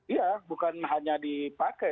iya bukan hanya dipakai